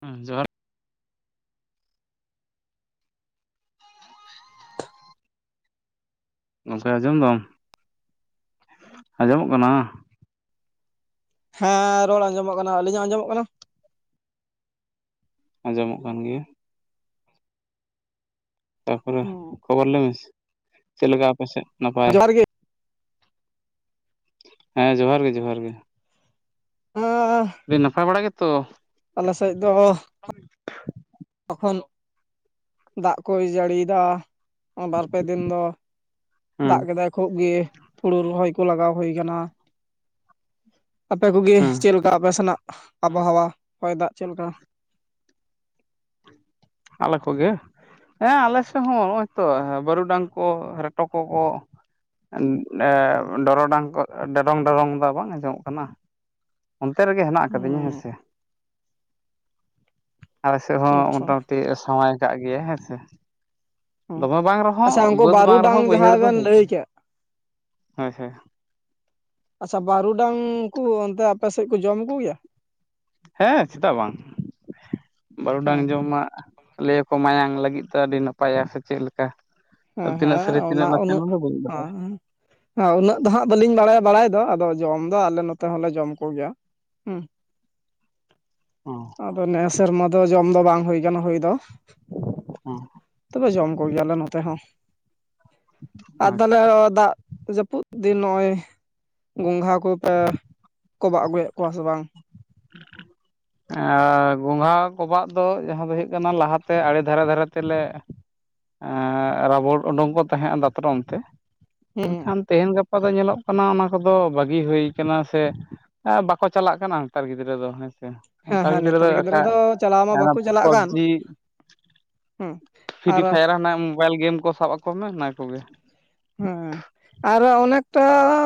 ᱦᱩᱸ ᱡᱚᱦᱟᱨ᱾ ᱜᱚᱝᱠᱮ ᱟᱡᱚᱢ ᱫᱟᱢ, ᱟᱡᱚᱢᱚᱜ ᱠᱟᱱᱟ? ᱦᱮᱸ ᱨᱚᱲ ᱟᱡᱚᱢᱚᱜ ᱠᱟᱱᱟ ᱟᱞᱤᱧ ᱟᱡᱚᱢᱚᱜ ᱠᱟᱱᱟ? ᱟᱡᱚᱢᱚᱜ ᱠᱟᱱ ᱜᱮᱭᱟ᱾ ᱛᱟ ᱯᱚᱨᱮ ᱠᱷᱚᱵᱚᱨ ᱞᱟᱹᱭ ᱢᱮ ᱪᱮᱫ ᱞᱮᱠᱟ ᱟᱯᱮ ᱥᱮᱫ ᱱᱟᱯᱟᱭ? ᱡᱚᱦᱟᱨ ᱜᱮ ᱦᱮᱸ ᱡᱚᱦᱟᱨ ᱜᱮ ᱡᱚᱦᱟᱨ ᱜᱮ᱾ [unintelligible] ᱫᱤ ᱱᱟᱯᱟᱭ ᱵᱟᱲᱟ ᱜᱮᱛᱚ? ᱟᱞᱮ ᱥᱮᱫ ᱫᱚ ᱛᱚᱠᱷᱚᱱ ᱫᱟᱜ ᱠᱚᱭ ᱡᱟᱹᱲᱤ ᱫᱟ ᱵᱟᱨ ᱯᱮ ᱫᱤᱱ ᱫᱚ ᱦᱮᱸ ᱫᱟᱜ ᱠᱮᱫᱟᱭ ᱠᱷᱩᱵ ᱜᱤ ᱦᱩᱲᱩ ᱨᱚᱦᱚᱭ ᱠᱚ ᱞᱟᱜᱟᱣ ᱦᱩᱭ ᱠᱟᱱᱟ᱾ ᱟᱯᱮ ᱠᱚᱜᱤ ᱦᱮᱸ ᱪᱮᱫ ᱞᱮᱠᱟ ᱟᱯᱮ ᱥᱮᱱᱟᱜ ᱟᱵᱚᱦᱚᱣᱟ ᱦᱚᱭ ᱫᱟᱜ ᱪᱮᱫ ᱞᱮᱠᱟ? ᱟᱞᱮ ᱠᱚᱜᱮ? ᱦᱮᱸ ᱟᱞᱮᱥᱮᱜ ᱦᱚᱸ ᱱᱚᱜᱼᱚᱭ ᱛᱚ ᱵᱟᱹᱨᱩᱰᱟᱝ ᱠᱚ ᱨᱮᱴᱚ ᱠᱚ ᱠᱚ ᱩᱸᱜ ᱮ ᱰᱚᱨᱚᱰᱟᱝ ᱠᱚ ᱰᱚᱨᱚᱝ ᱰᱚᱨᱚᱝ ᱫᱚ ᱵᱟᱝ ᱟᱡᱚ ᱢᱚᱜ ᱠᱟᱱᱟ? ᱚᱱᱛᱮ ᱨᱮᱜᱮ ᱦᱮᱸᱱᱟᱜ ᱠᱟᱫᱤᱧᱟ ᱦᱩᱸ ᱦᱮᱸᱥᱮ᱾ ᱟᱞᱮ ᱥᱮᱫ ᱦᱚᱸ ᱟᱪᱪᱷᱟ ᱢᱳᱴᱟ-ᱢᱩᱴᱤ ᱥᱟᱣᱟᱭ ᱠᱟᱜ ᱜᱮᱟᱭ ᱦᱮᱸᱥᱮ᱾ ᱦᱩᱸ ᱫᱚᱢᱮ ᱵᱟᱝ ᱨᱮᱦᱚᱸ ᱟᱪᱪᱷᱟ ᱩᱱᱠᱩ ᱵᱟᱹᱫᱽ ᱵᱟᱝ ᱵᱟᱹᱨᱩᱰᱟᱝ ᱨᱮᱦᱚᱸ ᱵᱟᱹᱭᱦᱟᱹᱲ ᱡᱟᱦᱟᱸ ᱫᱚ ᱵᱮᱱ ᱦᱩᱭ ᱞᱟᱹᱭ ᱠᱮᱫ ᱠᱟᱱᱟ ᱦᱳᱭ ᱦᱳᱭ᱾ ᱟᱪᱪᱷᱟ ᱵᱟᱨᱩᱰᱟᱝ ᱠᱩ ᱚᱱᱛᱮ ᱟᱯᱮᱥᱮᱫ ᱠᱩ ᱡᱚᱢ ᱠᱩ ᱜᱮᱭᱟ? ᱦᱮᱸ ᱪᱮᱫᱟᱜ ᱵᱟᱝ ᱵᱟᱨᱩᱰᱟᱝ ᱦᱮᱸ ᱡᱚᱢ ᱢᱟ ᱞᱮ ᱭᱟᱠᱚ ᱢᱟᱭᱟᱝ ᱞᱟᱹᱜᱤᱫ ᱛᱮ ᱟᱹᱰᱤ ᱱᱟᱯᱟᱭᱟ ᱥᱮ ᱪᱮᱫ ᱞᱮᱠᱟ᱾ ᱦᱮᱸ ᱛᱤᱱᱟᱹᱜ ᱦᱮᱸ ᱥᱟᱹᱨᱤ ᱛᱤᱱᱟᱹᱜ ᱱᱟᱥᱮ ᱩᱱᱟᱹᱜ ᱚᱱᱟ ᱫᱚ ᱵᱟᱹᱧ ᱦᱮᱸ ᱵᱟᱲᱟᱭᱟ᱾ ᱦᱮᱸ ᱩᱱᱟᱹᱜ ᱫᱚ ᱦᱟᱸᱜ ᱵᱟᱹᱞᱤᱧ ᱵᱟᱲᱟᱭᱟ ᱵᱟᱲᱟᱭ ᱫᱚ ᱟᱫᱚ ᱡᱚᱢ ᱫᱚ ᱟᱞᱮ ᱱᱚᱛᱮ ᱦᱚᱸᱞᱮ ᱡᱚᱢ ᱠᱚᱜᱮᱭᱟ᱾ ᱦᱩᱸ᱾ ᱚᱸᱻ ᱟᱫᱚ ᱱᱮ ᱥᱮᱨᱢᱟ ᱫᱚ ᱡᱚᱢ ᱫᱚ ᱵᱟᱝ ᱦᱩᱭ ᱟᱠᱟᱱᱟ ᱦᱩᱭ ᱫᱚ ᱾ ᱦᱩᱸᱻ ᱛᱚᱵᱮ ᱡᱚᱢ ᱠᱚᱜᱮᱭᱟ ᱞᱮ ᱱᱚᱛᱮ ᱦᱚᱸ ᱟᱨ ᱛᱟᱦᱚᱞᱮ ᱟᱪᱪᱷᱟ ᱫᱟᱜ ᱡᱟᱹᱯᱩᱫ ᱫᱤᱱ ᱱᱚᱜᱼᱚᱭ ᱜᱚᱝᱜᱷᱟ ᱠᱚᱯᱮ ᱠᱚᱵᱟᱜ ᱟᱹᱜᱩᱭᱮᱫ ᱠᱚᱣᱟ ᱥᱮ ᱵᱟᱝ? ᱮ ᱜᱚᱝᱜᱷᱟ ᱠᱚᱵᱟᱜ ᱫᱚ ᱡᱟᱦᱟᱸ ᱫᱚ ᱦᱩᱭᱩᱜ ᱠᱟᱱᱟ ᱞᱟᱦᱟᱛᱮ ᱟᱲᱮ ᱫᱷᱟᱨᱮ ᱫᱷᱟᱨᱮ ᱛᱮᱞᱮ ᱮᱻ ᱨᱟᱵᱚᱲ ᱩᱰᱩᱝ ᱠᱚ ᱛᱟᱦᱮᱸᱫ ᱫᱟᱛᱨᱚᱢ ᱛᱮ ᱦᱩᱸ ᱮᱠᱷᱟᱱ ᱛᱮᱦᱮᱧ ᱜᱟᱯᱟ ᱫᱚ ᱧᱮᱞᱚᱜ ᱠᱟᱱᱟ ᱚᱱᱟ ᱠᱚᱫᱚ ᱵᱟᱹᱜᱤ ᱦᱩᱭ ᱠᱟᱱᱟ ᱥᱮ ᱮᱸᱻ ᱵᱟᱠᱚ ᱪᱟᱞᱟᱜ ᱠᱟᱱᱟ ᱱᱮᱛᱟᱨ ᱜᱤᱫᱽᱨᱟᱹ ᱫᱚ ᱦᱮᱸᱥᱮ ᱾ ᱦᱮᱸ ᱱᱮᱛᱟᱨ ᱦᱮᱸ ᱜᱤᱫᱽᱨᱟᱹ ᱫᱚ ᱮᱠᱟ ᱪᱟᱞᱟᱣ ᱢᱟ ᱵᱟᱠᱚ ᱮᱫᱚᱢ ᱪᱟᱞᱟᱜ ᱠᱟᱱ ᱯᱟᱵᱽᱡᱤ ᱦᱮᱸ ᱯᱷᱨᱤ ᱟᱨ ᱯᱷᱟᱭᱟᱨ ᱦᱟᱱᱮ ᱢᱳᱵᱟᱭᱤᱞ ᱜᱮᱢ ᱠᱚ ᱥᱟᱵ ᱟᱠᱚ ᱢᱮ ᱚᱱᱟ ᱠᱚᱜᱮ ᱾ ᱦᱮᱸ ᱾ ᱟᱨ ᱚᱱᱮᱠᱴᱟ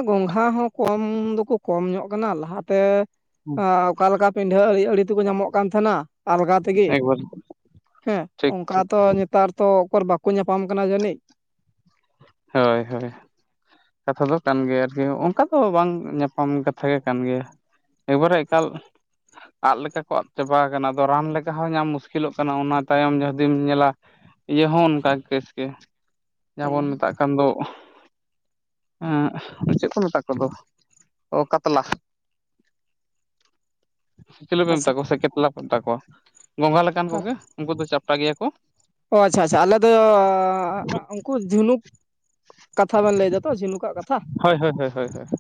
ᱜᱚᱝᱜᱷᱟ ᱦᱚᱸ ᱠᱚᱢ ᱫᱚᱠᱚ ᱠᱚᱢ ᱧᱚᱜ ᱠᱟᱱᱟ ᱞᱟᱦᱟᱛᱮ ᱟᱸ ᱚᱠᱟᱞᱮᱠᱟ ᱯᱤᱰᱷᱟᱹ ᱟᱹᱲᱤ ᱟᱹᱲᱤ ᱛᱮᱠᱚ ᱧᱟᱢᱚᱜ ᱠᱟᱱ ᱛᱟᱦᱮᱱᱟ ᱾ ᱟᱞᱜᱟ ᱛᱤᱜᱤ ᱮᱠᱵᱟᱨ ᱦᱮᱸ ᱴᱷᱤᱠ ᱚᱱᱠᱟ ᱴᱷᱤᱠ ᱛᱚ ᱱᱮᱛᱟᱨ ᱛᱚ ᱚᱠᱚᱨ ᱵᱟᱠᱚ ᱧᱟᱯᱟᱢ ᱠᱟᱱᱟ ᱡᱟᱹᱱᱤᱡ ᱾ ᱦᱳᱭ ᱦᱳᱭ ᱾ ᱠᱟᱛᱷᱟ ᱫᱚ ᱠᱟᱱ ᱜᱮᱭᱟ ᱟᱨᱠᱤ ᱚᱱᱠᱟ ᱫᱚ ᱵᱟᱝ ᱧᱟᱯᱟᱢ ᱠᱟᱛᱷᱟ ᱜᱮ ᱠᱟᱱ ᱜᱮᱭᱟ ᱾ ᱮᱠᱵᱟᱨᱮ ᱮᱠᱟᱞ ᱟᱫ ᱞᱮᱠᱟ ᱠᱚ ᱟᱫ ᱪᱟᱵᱟ ᱟᱠᱟᱱᱟ ᱟᱫᱚ ᱨᱟᱱ ᱞᱮᱠᱟ ᱦᱚᱸ ᱧᱟᱢ ᱢᱩᱥᱠᱤᱞᱚᱜ ᱠᱟᱱᱟ ᱚᱱᱟ ᱛᱟᱭᱚᱢ ᱡᱩᱫᱤᱢ ᱧᱮᱞᱟ ᱤᱭᱟᱹ ᱦᱚᱸ ᱚᱱᱠᱟ ᱠᱮᱥ ᱜᱮ ᱡᱟᱦᱟᱸ ᱵᱚᱱ ᱦᱩᱸ ᱢᱮᱛᱟᱜ ᱠᱟᱱ ᱫᱚ ᱮᱸᱦ ᱪᱮᱫ ᱠᱚ ᱢᱮᱛᱟ ᱠᱚᱫᱚ ᱚ ᱠᱟᱛᱞᱟ ᱾ [inaudible] ᱪᱤᱞᱤ ᱯᱮ ᱟᱪᱪᱷᱟ ᱢᱮᱛᱟ ᱠᱚᱣᱟ ᱥᱮ ᱠᱮᱛᱞᱟ ᱯᱮ ᱢᱮᱛᱟ ᱠᱚᱣᱟ ᱜᱚᱝᱜᱷᱟ ᱞᱮᱠᱟᱱ ᱠᱚᱜᱮ ᱩᱱᱠᱩ ᱫᱚ ᱪᱟᱯᱴᱟ ᱜᱮᱭᱟ ᱠᱚ ᱾ ᱚ ᱟᱪᱪᱷᱟ ᱟᱪᱪᱷᱟ ᱟᱞᱮ ᱫᱚ ᱩᱱᱠᱩ ᱡᱷᱤᱱᱩᱠ ᱠᱟᱛᱷᱟ ᱵᱮᱱ ᱞᱟᱹᱭ ᱫᱟ ᱛᱚ ᱡᱷᱤᱱᱩᱠᱟᱜ ᱠᱟᱛᱷᱟ ᱾ ᱦᱚᱭ ᱦᱚᱭ ᱦᱚᱭ ᱾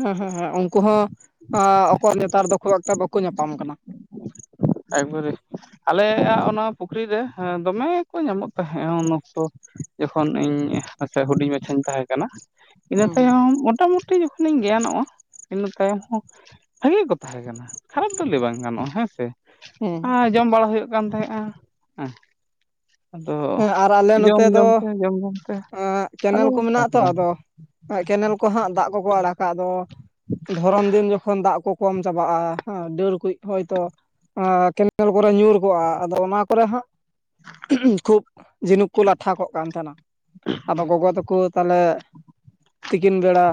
ᱦᱮᱸ ᱦᱮᱸ ᱦᱮᱸ ᱩᱱᱠᱩ ᱦᱚᱸ ᱟᱠᱚᱣᱟᱜ ᱱᱮᱛᱟᱨ ᱫᱚ ᱠᱷᱩᱵᱽ ᱮᱠᱴᱟ ᱵᱟᱠᱚ ᱧᱟᱯᱟᱢ ᱠᱟᱱᱟ ᱾ ᱮᱠᱵᱟᱨᱮ ᱟᱞᱮᱭᱟᱜ ᱚᱱᱟ ᱯᱩᱠᱷᱨᱤ ᱨᱮ ᱫᱚᱢᱮ ᱠᱚ ᱧᱟᱢᱚᱜ ᱛᱟᱦᱮᱸᱜ ᱩᱱ ᱚᱠᱛᱚ ᱾ ᱡᱚᱠᱷᱚᱱ ᱤᱧ [unintelligible] ᱦᱩᱰᱤᱧ ᱢᱟᱪᱷᱟᱧ ᱛᱟᱦᱮᱸ ᱠᱟᱱᱟ ᱤᱱᱟᱹ ᱦᱩᱸ ᱦᱩᱸ ᱛᱟᱭᱚᱢ ᱢᱚᱴᱟᱢᱩ ᱴᱤ ᱡᱚᱠᱷᱚᱱᱤᱧ ᱜᱮᱭᱟᱱᱚᱜᱼᱟ ᱤᱱᱟᱹ ᱛᱟᱭᱚᱢ ᱦᱚᱸ ᱵᱷᱟᱹᱜᱤ ᱠᱚ ᱛᱟᱦᱮᱸ ᱠᱟᱱᱟ ᱠᱷᱟᱨᱟᱯ ᱫᱚ ᱞᱟᱹᱭ ᱵᱟᱝ ᱜᱟᱱᱚᱜᱼᱟ ᱦᱮᱸ ᱥᱮ ᱾ ᱦᱮᱸ ᱡᱚᱢ ᱵᱟᱲᱟ ᱦᱩᱭᱩᱜ ᱠᱟᱱ ᱛᱟᱦᱮᱸᱫᱼᱟ ᱦᱮᱸ ᱾ ᱟᱫᱚ ᱦᱮᱸ ᱟᱨ ᱟᱞᱮ ᱡᱚᱢ ᱱᱚᱛᱮ ᱫᱚ ᱡᱚᱢ ᱛᱮ ᱡᱚᱢ ᱡᱚᱢ ᱛᱮ ᱟᱫᱚ [unintelligible] ᱱᱚᱜᱼᱚᱭ ᱠᱮᱱᱮᱞ ᱠᱚᱦᱟᱸᱜ ᱫᱟᱜ ᱠᱚᱠᱚ ᱟᱲᱟᱜ ᱠᱟᱜ ᱫᱚ ᱾ ᱫᱷᱚᱨᱚᱱ ᱫᱤᱱ ᱡᱚᱠᱷᱚᱱ ᱫᱟᱜ ᱠᱚ ᱠᱚᱢ ᱪᱟᱵᱟᱜᱼᱟ ᱦᱮᱸ ᱰᱟᱹᱨ ᱠᱩᱡ ᱦᱚᱭᱛᱚ ᱟᱸᱻ ᱠᱮᱱᱮᱞ ᱠᱚᱨᱮ ᱧᱩᱨ ᱠᱚᱜᱼᱟ ᱟᱫᱚ ᱚᱱᱟ ᱠᱚᱨᱮ ᱦᱚᱸ ᱠᱷᱩᱵᱽ ᱡᱷᱤᱱᱩᱠ ᱠᱚ ᱞᱟᱴᱷᱟ ᱠᱚᱜ ᱠᱟᱱ ᱛᱟᱦᱮᱸᱱᱟ ᱟᱫᱚ ᱜᱚᱜᱚ ᱛᱟᱠᱚ ᱛᱟᱦᱞᱮ ᱛᱤᱠᱤᱱ ᱵᱮᱲᱟ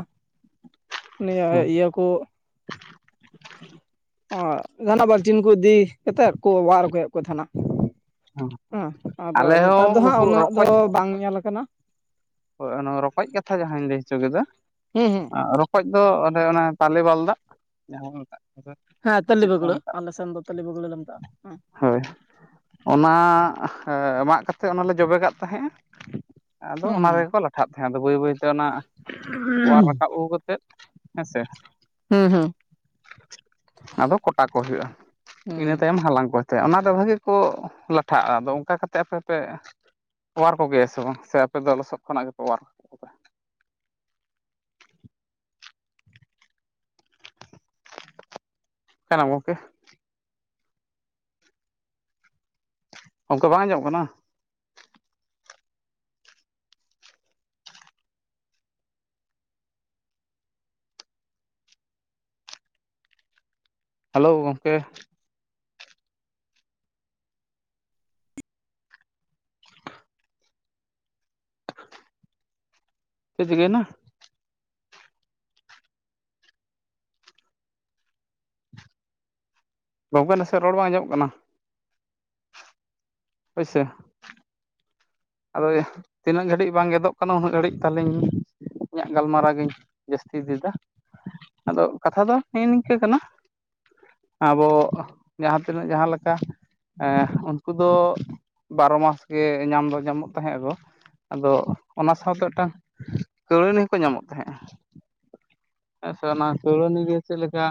ᱱᱤᱭᱟᱹ ᱤᱭᱟᱹ ᱠᱚ ᱚ ᱡᱟᱦᱟᱸᱱᱟᱜ ᱵᱟᱞᱴᱤᱱ ᱠᱚ ᱤᱫᱤ ᱠᱟᱛᱮᱫ ᱠᱚ ᱚᱣᱟᱨ ᱟᱹᱜᱩᱭᱮᱫ ᱠᱚ ᱛᱟᱦᱮᱸᱱᱟ ᱾ ᱦᱮᱸ ᱟᱫᱚ ᱟᱞᱮ ᱱᱮᱛᱟᱨ ᱦᱚᱸ ᱫᱚ ᱦᱟᱸᱜ ᱱᱩᱠᱩ ᱩᱱᱟᱹᱜ ᱫᱚ ᱵᱟᱝ ᱧᱮᱞ ᱟᱠᱟᱱᱟ ᱾ ᱦᱚᱭ ᱚᱱᱟ ᱨᱚᱠᱚᱡ ᱠᱟᱛᱷᱟ ᱡᱟᱦᱟᱸᱧ ᱞᱟᱹᱭ ᱦᱚᱪᱚ ᱠᱮᱫᱟ ᱦᱩᱸ ᱦᱩᱸ ᱾ ᱨᱚᱠᱚᱡ ᱫᱚ ᱚᱱᱮ ᱚᱱᱟ ᱛᱟᱞᱮ ᱵᱟᱞᱫᱟᱜ ᱡᱟᱦᱟᱸ ᱵᱚ ᱢᱮᱛᱟᱜ ᱠᱟᱱᱟ ᱾ ᱦᱮᱸ ᱛᱟᱹᱞᱤ ᱵᱟᱹᱜᱩᱲᱟ ᱟᱞᱮ ᱥᱮᱱ ᱫᱚ ᱛᱟᱹᱞᱤ ᱵᱟᱹᱜᱩᱲᱟ ᱞᱤ ᱢᱮᱛᱟᱜᱼᱟ ᱾ ᱦᱳᱭ ᱚᱱᱟ ᱮ ᱢᱟᱜ ᱠᱟᱛᱮᱫ ᱚᱱᱟᱞᱮ ᱡᱚᱵᱮᱼᱠᱟᱜ ᱛᱟᱦᱮᱸᱜᱼᱟ᱾ ᱟᱫᱚ ᱦᱩᱸ ᱚᱱᱟ ᱨᱮᱜᱮ ᱠᱚ ᱞᱟᱴᱷᱟᱜ ᱛᱟᱦᱮᱸ ᱟᱫᱚ ᱵᱟᱹᱭ ᱵᱟᱹᱭᱛᱮ ᱚᱱᱟ ᱚᱣᱟᱨ ᱦᱩᱸ ᱨᱟᱠᱟᱵ ᱟᱹᱜᱩ ᱠᱟᱛᱮᱫ ᱦᱮᱸ ᱥᱮ? ᱦᱩᱸ ᱦᱩᱸ ᱟᱫᱚ ᱠᱚᱴᱟ ᱠᱚ ᱦᱩᱭᱩᱜᱼᱟ᱾ ᱦᱩᱸ ᱤᱱᱟᱹ ᱛᱟᱭᱚᱢ ᱦᱟᱞᱟᱝ ᱠᱚ ᱛᱮ ᱚᱱᱟ ᱫᱚ ᱵᱷᱟᱹᱜᱮ ᱠᱚ ᱞᱟᱴᱷᱟᱜᱼᱟ ᱟᱫᱚ ᱚᱱᱠᱟ ᱠᱟᱛᱮᱫ ᱟᱯᱮ ᱯᱮ ᱚᱣᱟᱨ ᱠᱚᱜᱮᱭᱟ ᱥᱮ ᱵᱟᱝ ᱥᱮ ᱟᱯᱮ ᱫᱚ ᱞᱚᱥᱚᱫ ᱠᱷᱚᱱᱟᱜ ᱜᱮᱯᱮ ᱚᱣᱟᱨ ᱠᱚᱣᱟ ᱚᱠᱟᱭᱮᱱᱟᱢ ᱜᱚᱝᱠᱮ? ᱜᱚᱝᱠᱮ ᱵᱟᱝ ᱟᱸᱡᱚᱢᱚᱜ ᱠᱟᱱᱟ? ᱦᱮᱞᱳ ᱜᱚᱝᱠᱮ᱾ ᱪᱮᱫ ᱪᱤᱠᱟᱹᱭᱮᱱᱟ? ᱜᱚᱝᱠᱮ ᱱᱟᱥᱮ ᱨᱚᱲ ᱵᱟᱝ ᱟᱸᱡᱚᱢᱚᱜ ᱠᱟᱱᱟ᱾ ᱦᱳᱭ ᱥᱮ᱾ ᱟᱫᱚ ᱛᱤᱱᱟᱹᱜ ᱜᱷᱟᱹᱲᱤᱡ ᱵᱟᱝ ᱜᱮᱫᱚᱜ ᱠᱟᱱᱟ ᱩᱱᱟᱹᱜ ᱜᱷᱟᱹᱲᱤᱡ ᱛᱟᱞᱦᱤᱧ ᱤᱧᱟᱜ ᱜᱟᱞᱢᱟᱨᱟᱣ ᱜᱤᱧ ᱡᱟᱹᱥᱛᱤ ᱤᱫᱤᱼᱭᱮᱫᱟ᱾ ᱟᱫᱚ ᱠᱟᱛᱷᱟ ᱫᱚ ᱦᱮᱜᱼᱮ ᱱᱤᱝᱠᱟᱹ ᱠᱟᱱᱟ᱾ ᱟᱵᱚ ᱡᱟᱦᱟᱸ ᱛᱤᱱᱟᱹᱜ ᱡᱟᱦᱟᱸ ᱞᱮᱠᱟ ᱮᱸ ᱩᱱᱠᱩ ᱫᱚ ᱵᱟᱨᱚ ᱢᱟᱥ ᱜᱮ ᱧᱟᱢ ᱫᱚ ᱧᱟᱢᱚᱜ ᱛᱟᱦᱮᱸᱜ ᱟᱠᱚ᱾ ᱟᱫᱚ ᱚᱱᱟ ᱥᱟᱸᱶᱛᱮ ᱢᱤᱫᱴᱟᱹᱝ ᱠᱟᱹᱣᱲᱟᱹᱱᱤ ᱦᱚᱸᱠᱚ ᱧᱟᱢᱚᱜ ᱛᱟᱦᱮᱸᱜᱼᱟ᱾ ᱦᱮᱸ ᱥᱮ ᱚᱱᱟ ᱠᱟᱹᱣᱲᱟᱹᱱᱤ ᱜᱮ ᱪᱮᱫ ᱞᱮᱠᱟ